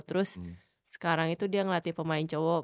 terus sekarang itu dia ngelatih pemain cowok